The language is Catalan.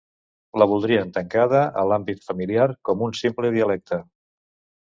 La voldrien tancada a l’àmbit familiar, com un simple dialecte.